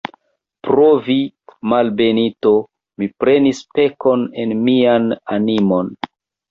Pro vi, malbenito, mi prenis pekon en mian animon!